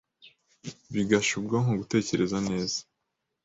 bigasha ubwonko gutekereza neza